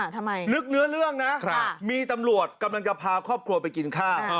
นึกเนื้อเรื่องนะมีตำรวจกำลังจะพาครอบครัวไปกินข้าว